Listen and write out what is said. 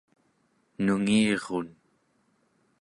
nungirun